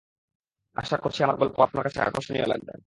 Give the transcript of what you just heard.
আশা করছি আমার গল্প আপনার কাছে আকর্ষণীয় লাগবে।